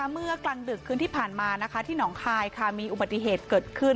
เมื่อกลางดึกคืนที่ผ่านมาที่หนองคายมีอุบัติเหตุเกิดขึ้น